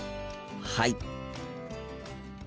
はい！